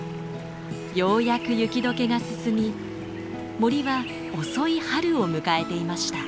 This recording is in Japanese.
ようやく雪解けが進み森は遅い春を迎えていました。